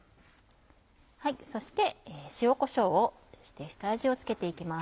そして塩こしょうをして下味を付けて行きます。